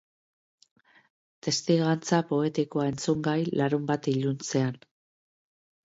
Testigantza poetikoa entzungai, larunbat iluntzean.